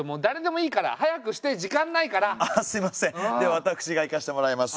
私がいかせてもらいます。